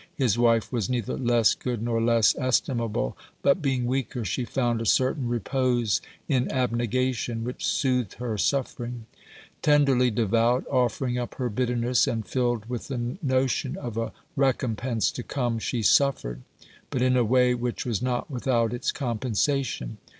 His wife was neither less good nor less estimable, but, being weaker, she found a certain repose in abnegation which soothed her suffer ing. Tenderly devout, offering up her bitterness, and filled with the notion of a recompense to come, she suffered, but in a way which was not without its compensation.